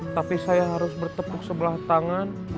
tapi saya harus bertepuk sebelah tangan